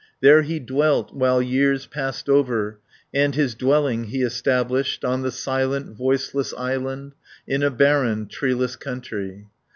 There he dwelt, while years passed over, And his dwelling he established On the silent, voiceless island, In a barren, treeless country.